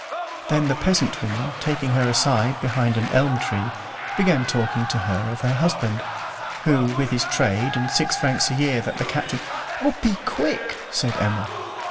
Then the peasant woman, taking her aside behind an elm tree, began talking to her of her husband, who with his trade and six francs a year that the captain "Oh, be quick!" said Emma.